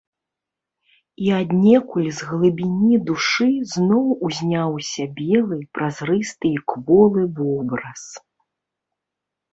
І аднекуль з глыбіні душы зноў узняўся белы, празрысты і кволы вобраз.